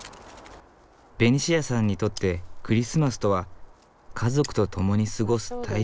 ベニシアさんにとってクリスマスとは家族とともに過ごす大切な時間。